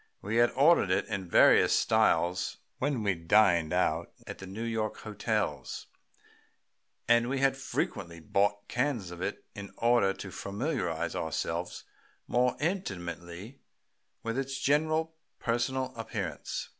We had ordered it in various styles when we dined out at the New York hotels, and we had frequently bought cans of it in order to familiarize ourselves more intimately with its general personal appearance.